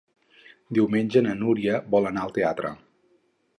Diumenge na Núria vol anar al teatre.